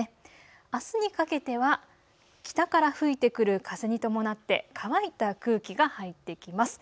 あすにかけては北から吹いてくる風に伴って乾いた空気が入ってきます。